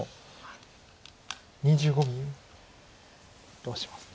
どうしますか。